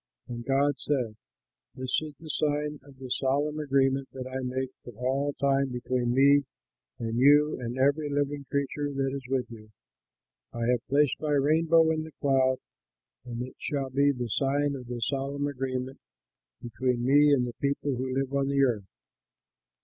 And God said, "This is the sign of the solemn agreement that I make for all time between me and you and every living creature that is with you: I have placed my rainbow in the cloud and it shall be the sign of the solemn agreement between me and the people who live on the earth.